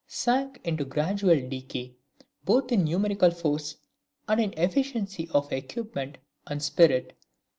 sunk into gradual decay, both in numerical force, and in efficiency of equipment and spirit.